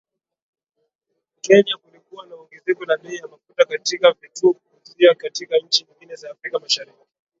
Kenya kulikuwa na ongezeko la bei ya mafuta katika vituo vya kuuzia katika nchi nyingine za Afrika Mashariki